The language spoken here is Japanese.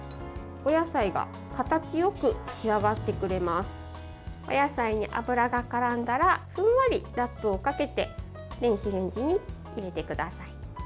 お野菜に油がからんだらふんわりラップをかけて電子レンジに入れてください。